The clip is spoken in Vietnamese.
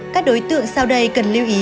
các đối tượng sau đây cần lưu ý